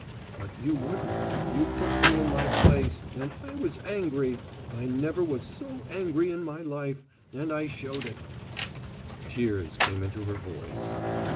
But you wouldn't: you put me in my place and I was angry I never was so angry in my life, and I showed it." Tears came into her voice.